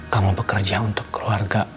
kamu bekerja untuk keluarga